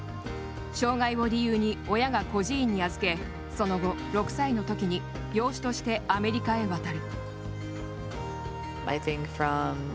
障がいを理由に親が孤児院に預けその後、６歳のときに養子としてアメリカへ渡る。